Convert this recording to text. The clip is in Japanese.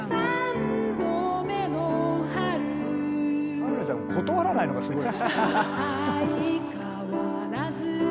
はるかちゃんも断らないのがすごい。